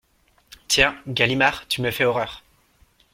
Tiens, Galimard, tu me fais horreur !…